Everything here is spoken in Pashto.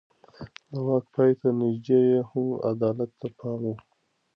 د واک پای ته نږدې يې هم عدالت ته پام و.